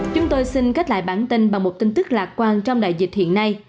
chúng tôi xin kết lại bản tin bằng một tin tức lạc quan trong đại dịch hiện nay